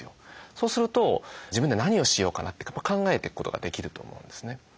そうすると自分で何をしようかなって考えていくことができると思うんですね。